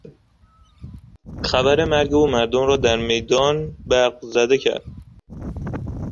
خبر مرگ او مردم را در میدان برق زده کرد.